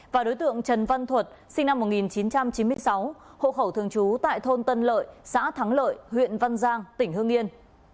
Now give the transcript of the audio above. và đối tượng trần văn thuật sinh năm một nghìn chín trăm chín mươi sáu hộ khẩu thường trú tại thôn tân lợi xã thắng lợi huyện văn giang tỉnh hương yên